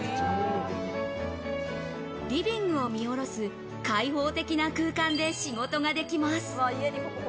リビングを見下ろす開放的な空間で仕事ができます。